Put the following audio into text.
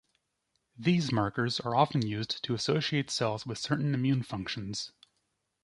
These markers are often used to associate cells with certain immune functions.